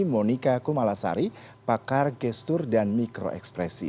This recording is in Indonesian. monika kumalasari pakar gestur dan mikro ekspresi